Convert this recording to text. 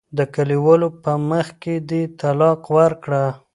د کلیوالو په مخ کې دې طلاق ورکړه.